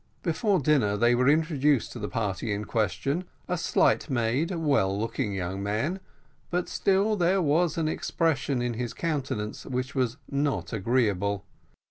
Before dinner they were introduced to the party in question, a slight made, well looking young man, but still there was an expression in his countenance which was not agreeable.